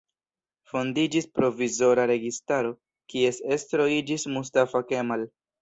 Fondiĝis provizora registaro, kies estro iĝis Mustafa Kemal.